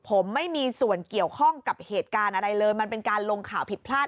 ผมไม่มีส่วนเกี่ยวข้องกับเหตุการณ์อะไรเลยมันเป็นการลงข่าวผิดพลาด